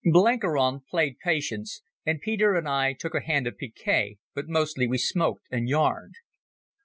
Blenkiron played Patience, and Peter and I took a hand at picquet, but mostly we smoked and yarned.